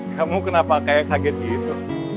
kamu kenapa kayak kaget gitu